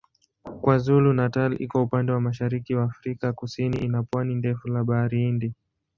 KwaZulu-Natal iko upande wa mashariki wa Afrika Kusini ina pwani ndefu la Bahari Hindi.